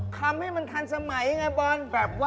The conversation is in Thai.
ทำให้มันทันสมัยไงบอล